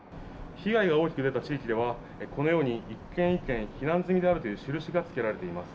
被害が大きく出た地域では１軒１軒避難済みであるという印がつけられています。